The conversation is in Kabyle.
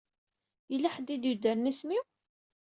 Yella ḥedd i d-yuddren isem-iw?